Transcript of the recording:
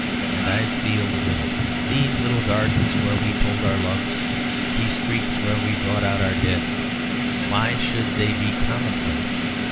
And I feel the riddle. These little gardens where we told our loves. These streets where we brought out our dead. Why should they be commonplace?